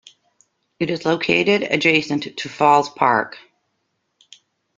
It is located adjacent to Falls Park.